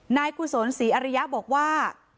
กุศลศรีอริยะบอกว่า